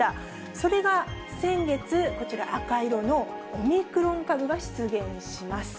それが先月、こちら、赤色のオミクロン株が出現します。